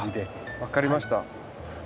分かりました。